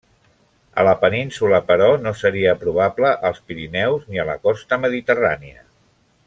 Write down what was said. A la península però no seria probable als Pirineus ni a la costa mediterrània.